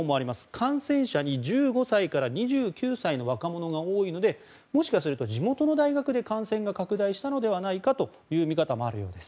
感染者に１５歳から２９歳の若者が多いのでもしかすると地元の大学で感染が拡大したのではないかという見方もあるようです。